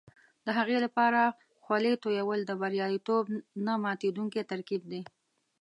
د هغې لپاره خولې تویول د بریالیتوب نه ماتېدونکی ترکیب دی.